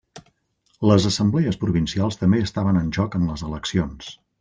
Les assemblees provincials també estaven en joc en les eleccions.